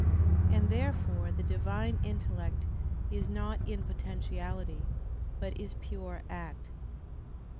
And therefore the Divine intellect is not in potentiality, but is pure act.